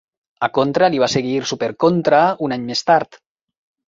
A "Contra" li va seguir "Super Contra" un any més tard.